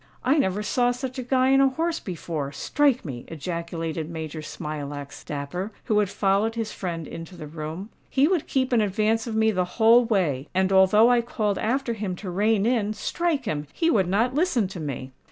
"I never saw such a Guy on a horse before—strike me!" ejaculated Major Smilax Dapper, who had followed his friend into the room. "He would keep in advance of me the whole way; and although I called after him to rein in—strike him!—he would not listen to me."